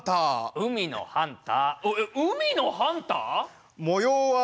海のハンター。